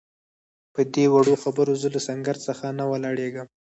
پدې وړو خبرو زه له سنګر څخه نه ولاړېږم.